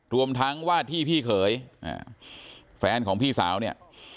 รวมทั้งว่าที่พี่เขยแฟนของพี่สาวเนี่ย